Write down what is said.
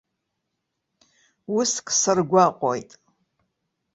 Уск саргәаҟуеит.